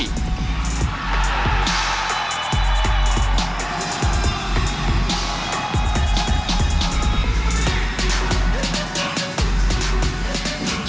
เยตยศชะเล่มเขต